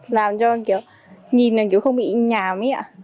làm cho kiểu nhìn là kiểu không bị nhảm ý ạ